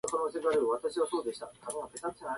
わたしはバカです